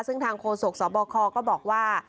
ซึ่งทางโฆษกสบคก็บอกว่า